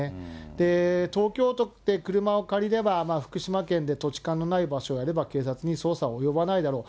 で、東京で車を借りれば、福島県で土地勘のない場所であれば、警察に捜査は及ばないだろう。